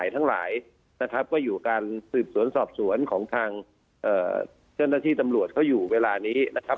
ทั้งหลายนะครับก็อยู่การสืบสวนสอบสวนของทางเจ้าหน้าที่ตำรวจเขาอยู่เวลานี้นะครับ